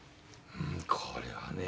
これはね